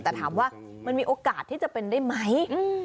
แต่ถามว่ามันมีโอกาสที่จะเป็นได้ไหม